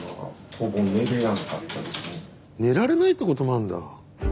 寝られないってこともあるんだ。